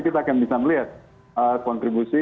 kita akan bisa melihat kontribusi